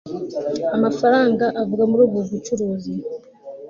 amafaranga avuga muri ubu bucuruzi